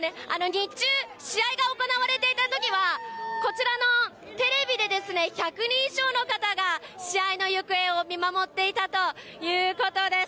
日中、試合が行われていたときは、こちらのテレビでですね、１００人以上の方が試合の行方を見守っていたということです。